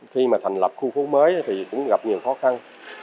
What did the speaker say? khi mà thành lập khu phố mới thì cũng gặp nhiều khó khăn